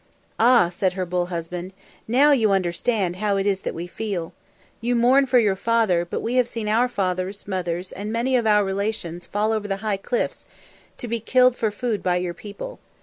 "Ah," said her bull husband; "now you understand how it is that we feel. You mourn for your father; but we have seen our fathers, mothers, and many of our relations fall over the high cliffs, to be killed for food by your people.